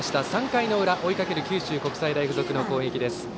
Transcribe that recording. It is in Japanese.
３回の裏、追いかける九州国際大付属の攻撃です。